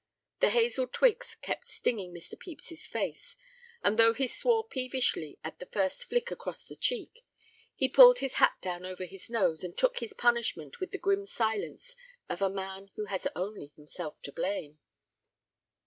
The hazel twigs kept stinging Mr. Pepys's face, and though he swore peevishly at the first flick across the cheek, he pulled his hat down over his nose and took his punishment with the grim silence of a man who has only himself to blame.